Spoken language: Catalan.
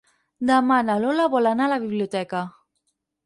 Demà na Lola vol anar a la biblioteca.